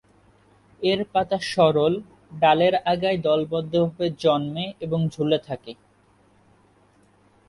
এর পাতা সরল, ডালের আগায় দলবদ্ধভাবে জন্মে এবং ঝুলে থাকে।